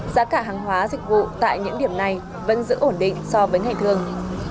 giá cả hàng hóa dịch vụ tại những điểm này vẫn giữ ổn định so với ngày thường